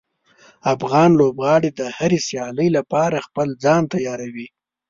افغان لوبغاړي د هرې سیالۍ لپاره خپل ځان تیاروي.